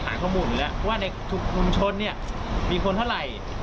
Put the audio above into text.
หาข้อมูลก็ได้ว่านักทุกคนทนเนี้ยมีคนเท่าไหร่